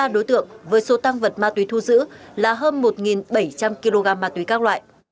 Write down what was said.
ba đối tượng với số tăng vật ma túy thu giữ là hơn một bảy trăm linh kg ma túy các loại